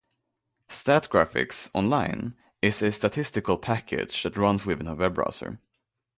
Statgraphics "Online" is a statistical package that runs within a web browser.